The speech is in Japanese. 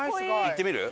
行ってみる？